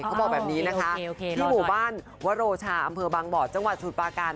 เขาบอกแบบนี้นะคะที่หมู่บ้านวโรชาอำเภอบางบ่อจังหวัดสมุทรปาการ